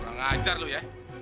kurang ajar lu ya